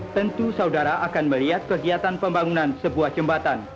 tentu saudara akan melihat kegiatan pembangunan sebuah jembatan